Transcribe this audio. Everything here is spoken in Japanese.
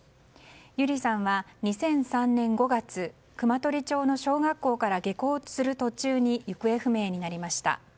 友梨さんは２００３年５月熊取町の小学校から下校する途中に行方不明になりました。